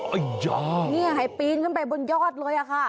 อัยยาโอ้โหเนี่ยให้ปีนขึ้นไปบนยอดเลยค่ะ